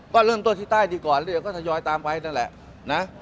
ก็เริ่มต้นที่ใต้ดีกว่าแล้วเดี๋ยวเขาจะย้อยตามไปนั่นแหละนะ